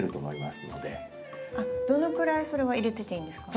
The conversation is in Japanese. どのくらいそれは入れてていいんですか？